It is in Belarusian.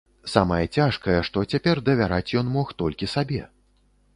Самае цяжкае, што цяпер давяраць ён мог толькі сабе.